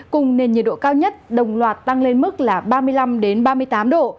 cùng nền nhiệt độ cao nhất đồng loạt tăng lên mức là ba mươi năm ba mươi tám độ